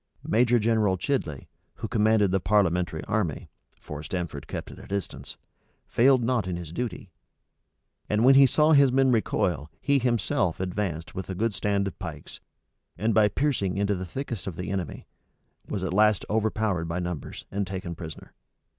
Major General Chidley, who commanded the parliamentary army, (for Stamford kept at a distance,) failed not in his duty; and when he saw his men recoil, he himself advanced with a good stand of pikes, and piercing into the thickest of the enemy, was at last overpowered by numbers, and taken prisoner.